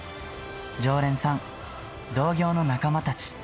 常連さん、同業の仲間たち。